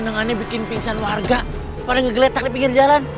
nengannya bikin pingsan warga pada ngegeletak di pinggir jalan